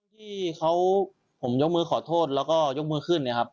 ที่เขาผมยกมือขอโทษแล้วก็ยกมือขึ้นเนี่ยครับ